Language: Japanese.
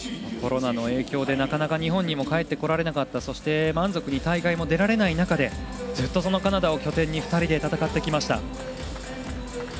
コロナの影響でなかなか日本にも帰ってこられなかったそして、満足に大会も出られない中でずっとカナダを拠点に２人で戦ってきました。